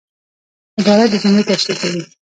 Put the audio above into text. عبارت د جملې تشریح کوي.